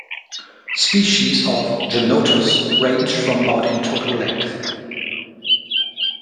Species of "Gymnotus" range from about in total length.